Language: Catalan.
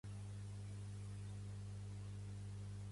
Vull fer una reserva a un restaurant que parlin català